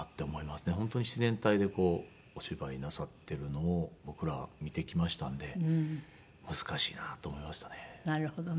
本当に自然体でこうお芝居なさっているのを僕ら見てきましたので難しいなと思いましたね。